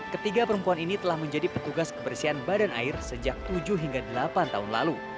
ketiga perempuan ini telah berusia empat puluh lima tahun